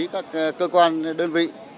các cơ quan đơn vị